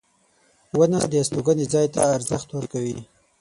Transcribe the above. • ونه د استوګنې ځای ته ارزښت ورکوي.